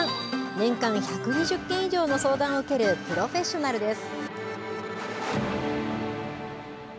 年間１２０件以上の相談を受けるプロフェッショナルです。